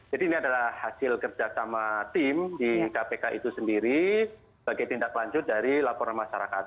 jadi ini adalah hasil kerja sama tim di kpk itu sendiri bagi tindak lanjut dari laporan masyarakat